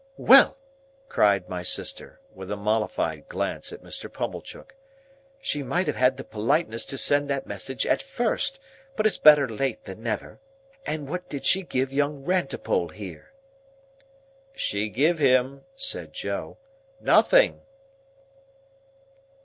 "Well!" cried my sister, with a mollified glance at Mr. Pumblechook. "She might have had the politeness to send that message at first, but it's better late than never. And what did she give young Rantipole here?" "She giv' him," said Joe, "nothing."